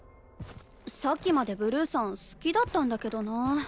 さっきまでブルーさん好きだったんだけどなあ